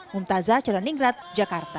mumtazah calon ingrat jakarta